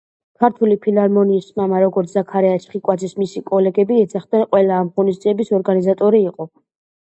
ქართული ფილარმონიის „მამა“, როგორც ზაქარია ჩხიკვაძეს მისი კოლეგები ეძახდნენ, ყველა ამ ღონისძიების ორგანიზატორი იყო.